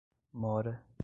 mora